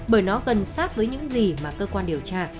bởi nó gần sát với những gì mà cơ quan điều tra